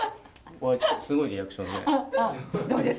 すごいリアクションで。